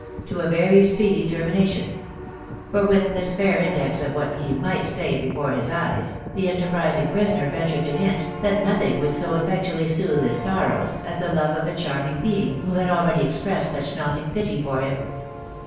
to a very speedy termination ; for with this fair index of what he might say before his eyes, the enter prising prisoner ventured to hint, that nothing would so ef fectually soothe his sorrows as the love of the charming being who had already expressed such melting pity for him.